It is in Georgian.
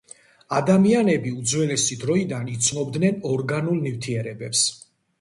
ადამიანები უძველესი დროიდან იცნობდნენ ორგანულ ნივთიერებებს.